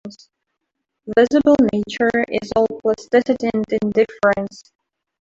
Visible nature is all plasticity and indifference,.